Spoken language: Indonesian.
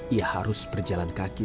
ia harus berjalan kaki